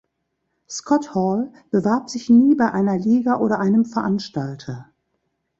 Scott Hall bewarb sich nie bei einer Liga oder einem Veranstalter.